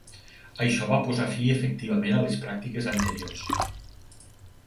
Això va posar fi efectivament a les pràctiques anteriors.